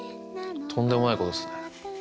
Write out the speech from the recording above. とんでもないことっすね。